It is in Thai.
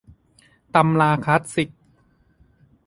ตำราคลาสสิก